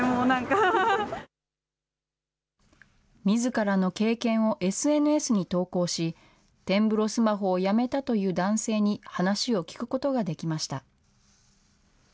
みずからの経験をＳＮＳに投稿し、点ブロスマホをやめたという男性に話を聞くことができました。